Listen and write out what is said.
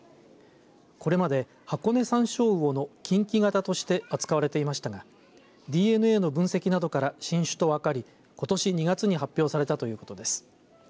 これまでハコネサンショウウオの近畿型として扱われていましたがＤＮＡの分析などから新種と分かりことし２月に発表されたということです。